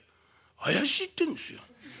怪しいってんですよ。